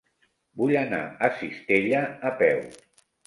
Vull anar a Cistella a peu.